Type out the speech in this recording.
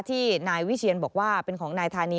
ที่นายวิเชียนบอกว่าเป็นของนายธานี